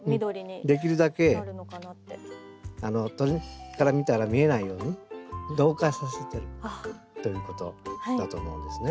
できるだけ鳥から見たら見えないように同化させてるということだと思うんですね。